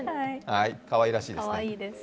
かわいらしいですね。